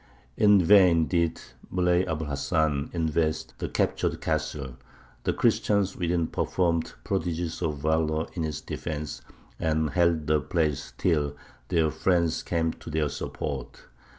In vain did Muley Abu l Hasan invest the captured castle; the Christians within performed prodigies of valour in its defence, and held the place till their friends came to their support.